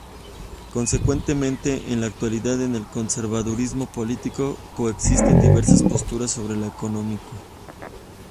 Consecuentemente, en la actualidad en el conservadurismo político coexisten diversas posturas sobre lo económico.